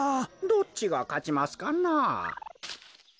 どっちがかちますかな？